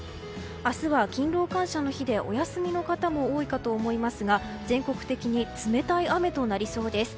明日は勤労感謝の日でお休みの方も多いかと思いますが全国的に冷たい雨となりそうです。